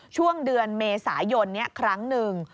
ช่วงเดือนเมษายนครั้งหนึ่ง